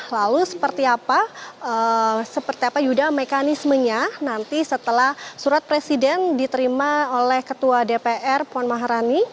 lalu seperti apa seperti apa yuda mekanismenya nanti setelah surat presiden diterima oleh ketua dpr puan maharani